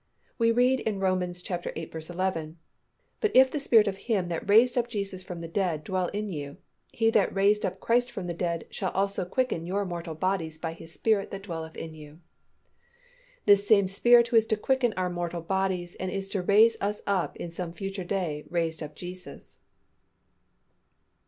_ We read in Rom. viii. 11, "But if the Spirit of Him that raised up Jesus from the dead dwell in you, He that raised up Christ from the dead shall also quicken your mortal bodies by His Spirit that dwelleth in you." The same Spirit who is to quicken our mortal bodies and is to raise us up in some future day raised up Jesus.